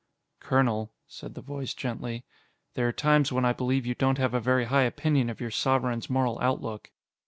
"Colonel," said the voice gently, "there are times when I believe you don't have a very high opinion of your Sovereign's moral outlook."